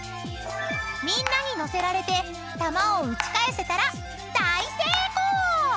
［みんなに乗せられて球を打ち返せたら大成功！］